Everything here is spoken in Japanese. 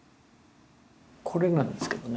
これなんですけどね。